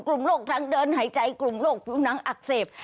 กลุ่มโรคทางเดินหายใจกลุ่มโรคภูมินังอักเสบ